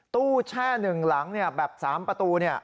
ตู้แช่๑หลังเนี่ยแบบ๓ประตูเนี่ย